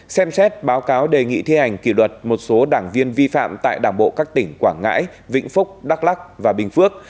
xem xét báo cáo đề nghị thi hành kỷ luật một số đảng viên vi phạm tại đảng bộ các tỉnh quảng ngãi vĩnh phúc đắk lắc và bình phước